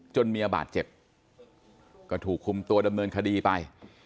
เมียบาดเจ็บก็ถูกคุมตัวดำเนินคดีไป